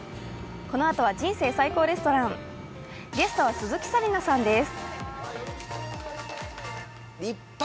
このあとは「人生最高レストラン」ゲストは鈴木紗理奈さんです。